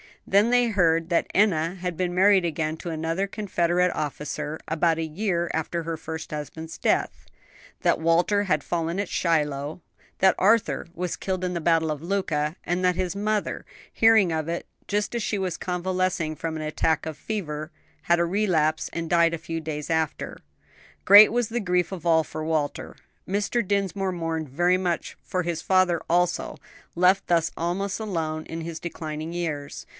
Then they heard that Enna had been married again to another Confederate officer, about a year after her first husband's death; that Walter had fallen at Shiloh, that Arthur was killed in the battle of Luka, and that his mother, hearing of it just as she was convalescing from an attack of fever, had a relapse and died a few days after. Great was the grief of all for Walter; Mr. Dinsmore mourned very much for his father also, left thus almost alone in his declining years.